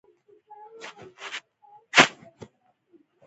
د ښوونې او روزنې موخه د خلکو پوهه او شعور لوړول دي.